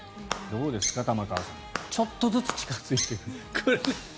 どうですか、玉川さんちょっとずつ近付いてくる。